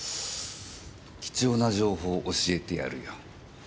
貴重な情報教えてやるよ。